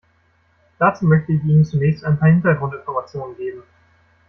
Dazu möchte ich Ihnen zunächst ein paar Hintergrundinformationen geben.